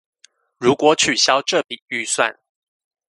如果取消這筆預算